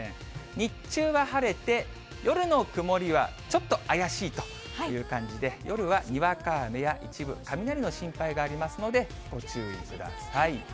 日中は晴れて、夜の曇りはちょっとあやしいという感じで、夜はにわか雨や一部雷の心配がありますので、ご注意ください。